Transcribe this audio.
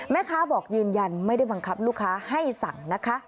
แม่ค้าบอกยืนยันไม่ได้บังคับลูกค้าให้สั่งนะคะ